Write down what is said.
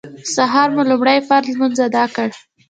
سهار مو لومړی فرض لمونځ اداء کړ.